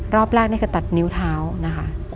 รอบแรกนี่คือตัดนิ้วเท้านะคะ